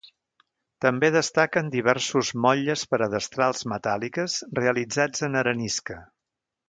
També destaquen diversos motlles per a destrals metàl·liques realitzats en arenisca.